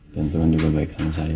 dan tuhan juga baik sama saya